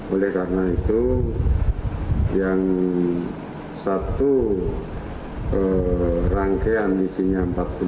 oleh karena itu yang satu rangkaian isinya empat puluh lima